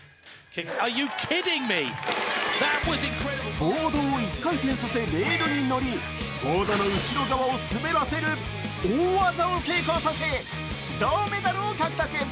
ボードを１回転させ、ボードの後ろ側を滑らせる大技を成功させ、銅メダルを獲得。